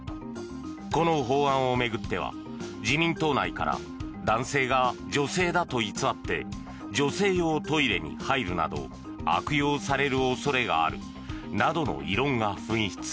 この法案を巡っては自民党内から男性が女性だと偽って女性用トイレに入るなど悪用される恐れがあるなどの異論が噴出。